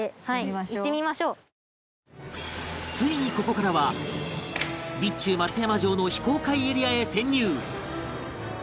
ついにここからは備中松山城の非公開エリアへ潜入！